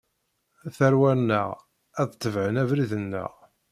Tarwa-nneɣ ad tebɛen abrid-nneɣ.